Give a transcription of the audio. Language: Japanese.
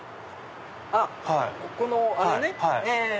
あっこのあれね。